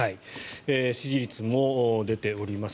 支持率も出ております。